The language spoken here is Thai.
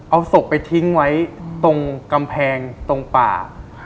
เอาศพไปทิ้งไว้ตรงกำแพงตรงป่า